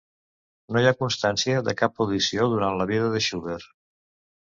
No hi ha constància de cap audició durant la vida de Schubert.